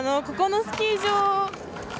ここのスキー場